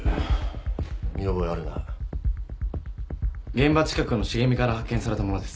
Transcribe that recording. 現場近くの茂みから発見されたものです。